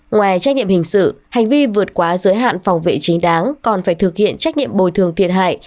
ngoài trách nhiệm hình sự hành vi vượt quá giới hạn phòng vệ chính đáng còn phải thực hiện trách nhiệm bồi thường thiệt hại